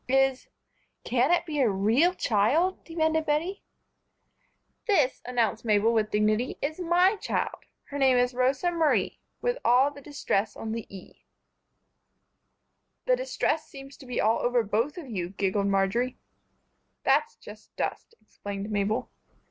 "Is can it be a real child?" demanded Bettie. "This," announced Mabel, with dignity, "is my child. Her name is Rosa Marie with all the distress on the ee." "The distress seems to be all over both of you," giggled Marjory. "That's just dust," explained Mabel.